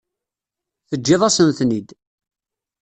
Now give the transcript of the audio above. Teǧǧiḍ-asen-ten-id.